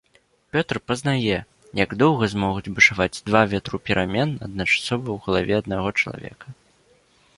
Пётр пазнае, як доўга змогуць бушаваць два ветру перамен адначасова ў галаве аднаго чалавека.